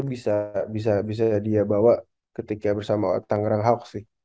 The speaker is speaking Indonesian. itu bisa dia bawa ketika bersama tanggerang house sih